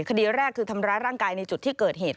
คดีแรกคือทำร้ายร่างกายในจุดที่เกิดเหตุ